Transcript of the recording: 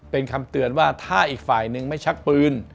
เป็นคำเตือนว่าถ้าอีกฝ่ายนึงไม่ชักปืน